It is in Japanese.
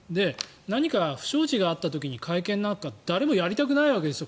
何か不祥事があった時に会見なんか誰もやりたくないわけですよ